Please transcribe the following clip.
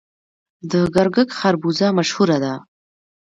د ګرګک خربوزه مشهوره ده.